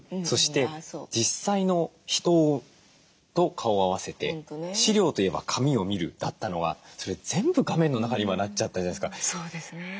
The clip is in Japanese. そして実際の人と顔を合わせて資料といえば紙を見るだったのがそれ全部画面の中に今なっちゃったじゃないですか。